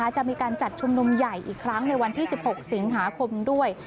จะมีการจัดชุมนุมใหญ่อีกครั้งในวันที่๑๖สิงหาคมด้วย